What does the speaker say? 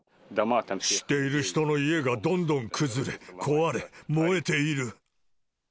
知っている人の家がどんどん崩れ、壊れ、燃えている。